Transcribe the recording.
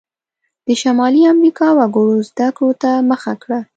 د شمالي امریکا وګړو زده کړو ته مخه کړه.